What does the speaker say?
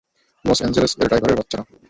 Loss Angeles এর ড্রাইভারের বাচ্চারা।